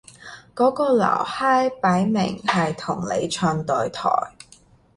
嗰個撈閪擺明係同你唱對台